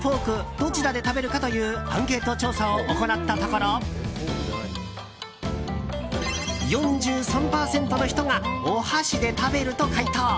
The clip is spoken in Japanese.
どちらで食べるかというアンケート調査を行ったところ４３％の人がお箸で食べると回答。